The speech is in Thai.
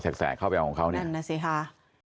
แสกเข้าไปเอาของเขานั่นน่ะสิค่ะ